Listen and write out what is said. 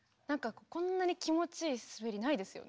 こんなに気持ちいい滑りないですよね。